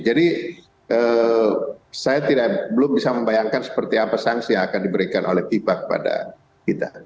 jadi saya belum bisa membayangkan seperti apa sanksi yang akan diberikan oleh fifa kepada kita